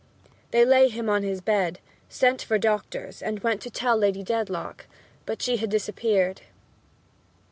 They laid him on his bed, sent for doctors and went to tell Lady Dedlock, but she had disappeared.